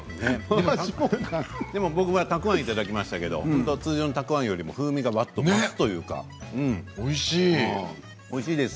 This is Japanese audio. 僕、たくあんいただきましたけど通常のたくあんよりも風味が増す。